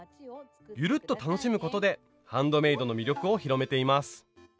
ゆるっと楽しむことでハンドメイドの魅力を広めています。